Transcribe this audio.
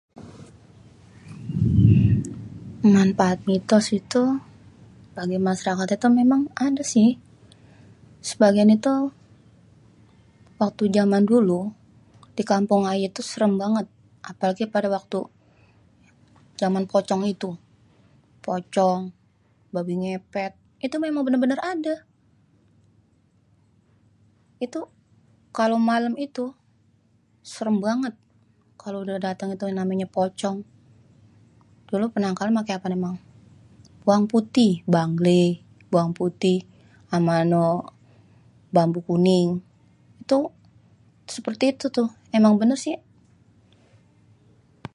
Manfaat mitos itu, bagi masyarakat itu é si, sebagian itu. Waktu jaman dulu di kampung ayé itu serem banget, apelagi kalo waktu, jaman pocong itu, pocong, babi ngepet, itu emang bener-bener ade. Itu, kalo malem itu, serem banget kalo udéh dateng itu yang namanye pocong, dulu penangkal nya paké apaan emang, bawang putih, banglé, bawang putih ame anu bambu kuning, itu seperti itu tuh emang bener si.